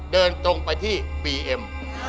เดินตรงไปที่บีเอ็ม